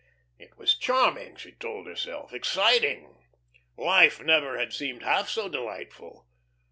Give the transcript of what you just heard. It was charming she told herself, exciting. Life never had seemed half so delightful.